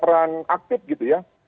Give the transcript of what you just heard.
terperan aktif gitu ya